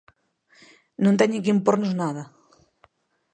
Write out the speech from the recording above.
Non teñen que impornos nada.